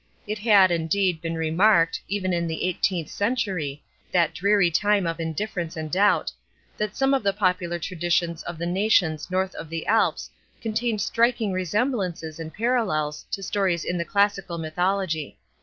It had, indeed, been remarked, even in the eighteenth century—that dreary time of indifference and doubt—that some of the popular traditions of the nations north of the Alps contained striking resemblances and parallels to stories in the classical mythology.